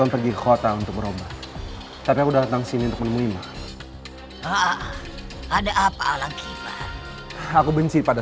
pergi kota untuk berobat tapi udah langsung sini untuk menimbulkan ada apa lagi aku benci pada